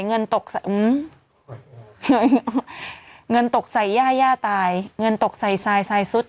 เงินตกใส่อืมเงินตกใส่ย่าย่าตายเงินตกใส่ทรายทรายสุด